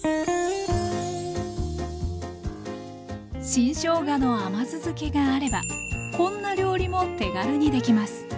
新しょうがの甘酢漬けがあればこんな料理も手軽にできます。